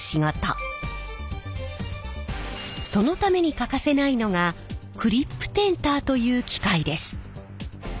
そのために欠かせないのがクリップテンターという機械です。